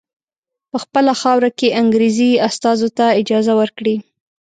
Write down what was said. په خپله خاوره کې انګریزي استازو ته اجازه ورکړي.